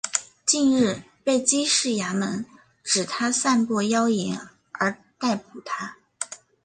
近日被缉事衙门指他散播妖言而逮捕他。